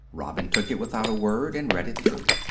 Robin took it without a word and read it through.